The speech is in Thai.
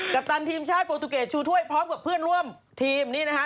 ปตันทีมชาติโปรตูเกตชูถ้วยพร้อมกับเพื่อนร่วมทีมนี่นะฮะ